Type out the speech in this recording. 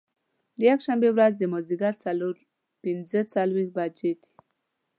د یکشنبې ورځ د مازدیګر څلور پنځه څلوېښت بجې دي.